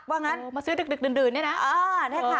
ว่างั้นมาซื้อดึกดึกดื่นดื่นเนี้ยน่ะเออนี่ค่ะ